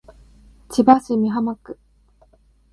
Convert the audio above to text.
千葉市美浜区